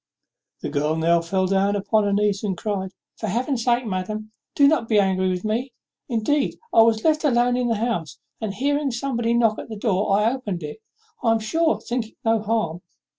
The girl now fell down upon her knees and cried, "For Heaven's sake, madam, do not be angry with me. Indeed, I was left alone in the house; and, hearing somebody knock at the door, I opened it I am sure thinking no harm.